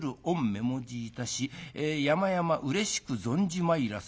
目もじいたしやまやまうれしく存じ参らせ』。